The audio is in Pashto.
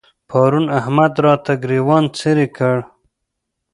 پرون احمد راته ګرېوان څيرې کړ.